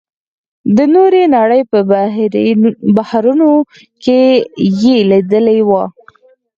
د نورې نړۍ په بهیرونو کې یې لېدلي وو.